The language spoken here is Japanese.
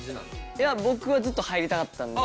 いや僕はずっと入りたかったんで。